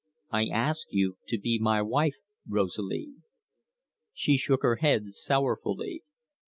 I ask you to be my wife, Rosalie." She shook her head sorrowfully.